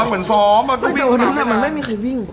เหมือนนั้นแหวะมันไม่มีใครวิ่ง